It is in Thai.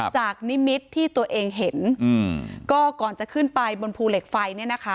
นิมิตรที่ตัวเองเห็นอืมก็ก่อนจะขึ้นไปบนภูเหล็กไฟเนี่ยนะคะ